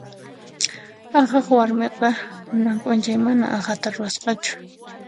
Aqhaq warmiqa kunan p'unchay mana aqhata ruwasqachu.